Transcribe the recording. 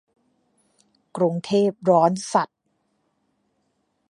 กรุงเทพร้อนสัส